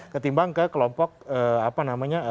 ketimbang ke kelompok apa namanya